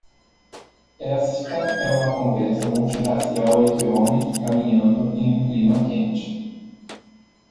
Esta é uma conversa multirracial entre homens caminhando em um clima quente.